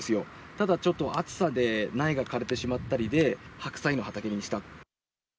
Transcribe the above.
ただ、ちょっと暑さで苗が枯れてしまったりで、白菜の畑にした。